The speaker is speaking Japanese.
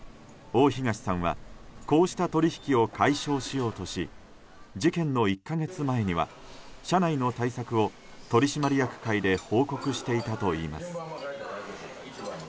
大東さんはこうした取引を解消しようとし事件の１か月前には社内の対策を取締役会で報告していたといいます。